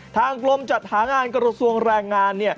ทางกรมจัดหางานกระทรวงแรงงาน